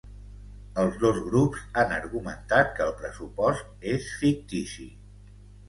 Els dos grups han argumentat que el pressupost és ‘fictici’.